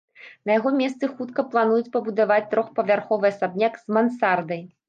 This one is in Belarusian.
На яго месцы хутка плануюць пабудаваць трохпавярховы асабняк з мансардай.